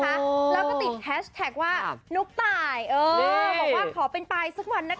แล้วก็ติดแฮชแท็กว่านุ๊กตายเออบอกว่าขอเป็นตายสักวันนะคะ